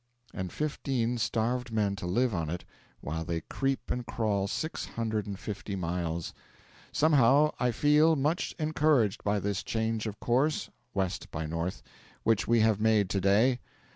And fifteen starved men to live on it while they creep and crawl six hundred and fifty miles. 'Somehow I feel much encouraged by this change of course (west by north) which we have made to day.'